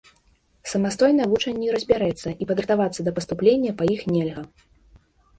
Самастойна вучань не разбярэцца, і падрыхтавацца да паступлення па іх нельга.